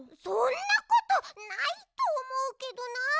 そんなことないとおもうけどな。